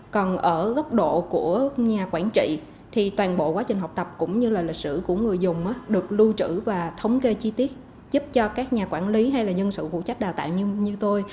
còn ở góc độ của nhà quản trị thì toàn bộ quá trình học tập cũng như là lịch sử của người dùng được lưu trữ và thống kê chi tiết giúp cho các nhà quản lý hay là nhân sự phụ trách đào tạo như tôi